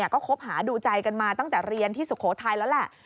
ก็คบหาดูใจกันมาตั้งแต่เรียนที่สุโขทัยแล้วแหละ